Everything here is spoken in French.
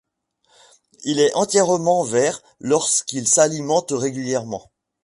Il est entièrement vert lorsqu'il s'alimente régulièrement.